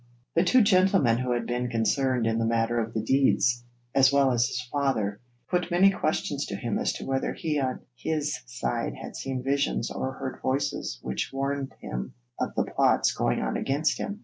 The two gentlemen who had been concerned in the matter of the deeds, as well as his father, put many questions to him as to whether he on his side had seen visions or heard voices which warned him of the plots going on against him.